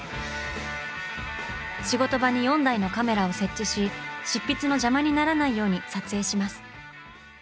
仕事場に４台のカメラを設置し執筆の邪魔にならないように撮影します。